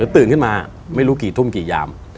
ตื่นขึ้นมาไม่รู้กี่ทุ่มกี่ยาม